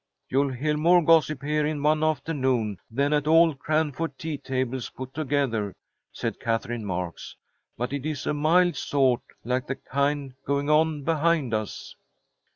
"You'll hear more gossip here in one afternoon than at all the Cranford tea tables put together," said Katherine Marks. "But it is a mild sort, like the kind going on behind us."